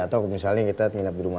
atau misalnya kita nginep di rumah